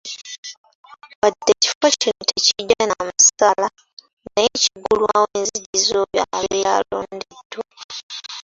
Wadde ekifo kino tekijja na musaala naye kiggulawo enzigi z'oyo abeera alondeddwa.